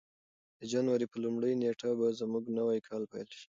د جنوري په لومړۍ نېټه به زموږ نوی کال پیل شي.